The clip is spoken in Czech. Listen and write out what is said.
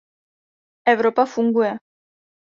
Evropa funguje.